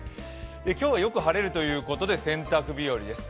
今日はよく晴れるということで洗濯日和です。